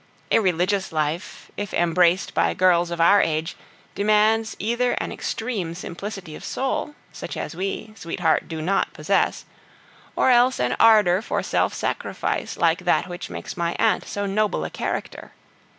A religious life, if embraced by girls of our age, demands either an extreme simplicity of soul, such as we, sweetheart, do not possess, or else an ardor for self sacrifice like that which makes my aunt so noble a character.